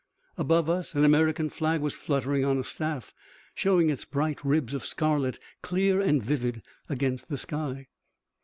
Above us an American flag was fluttering on a staff, showing its bright ribs of scarlet clear and vivid against the sky.